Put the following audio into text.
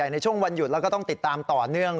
ในช่วงวันหยุดแล้วก็ต้องติดตามต่อเนื่อง